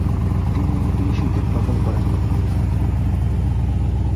তিনি ঊনত্রিশ উইকেট দখল করেন।